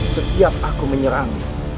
setiap aku menyerang